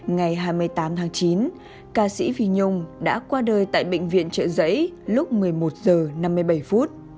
ngày hai mươi tám tháng chín ca sĩ vi nhung đã qua đời tại bệnh viện trợ giấy lúc một mươi một h năm mươi bảy phút